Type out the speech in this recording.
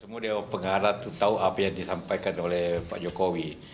semua dewan pengarah itu tahu apa yang disampaikan oleh pak jokowi